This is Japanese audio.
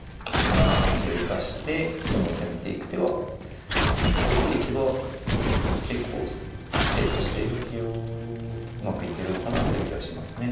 ７七の桂を生かしてどんどん攻めていく手はここまで行けば結構手としてうまくいってるのかなという気はしますね。